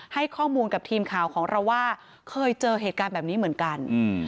ให้ข้อมูลกับทีมข่าวของเราว่าเคยเจอเหตุการณ์แบบนี้เหมือนกัน